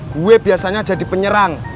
gue biasanya jadi penyerang